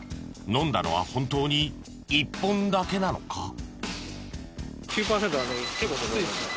飲んだのは本当に１本だけなのか？